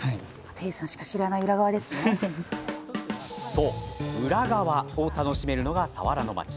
そう、裏側を楽しめるのが佐原の町。